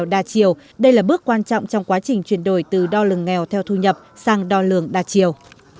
đa chiều đây là bước quan trọng trong quá trình chuyển đổi từ đo lường nghèo theo thu nhập sang đo lường đa chiều